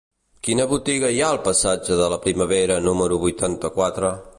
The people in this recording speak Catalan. Quina botiga hi ha al passatge de la Primavera número vuitanta-quatre?